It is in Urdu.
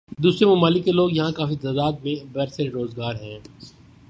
دوسرے ممالک کے لوگ یہاں کافی تعداد میں برسر روزگار ہیں